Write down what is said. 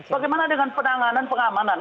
bagaimana dengan penanganan pengamanan